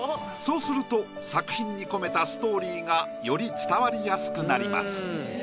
そうすると作品に込めたストーリーがより伝わりやすくなります。